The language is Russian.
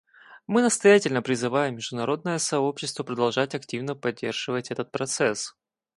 Мы настоятельно призываем международное сообщество продолжать активно поддерживать этот процесс.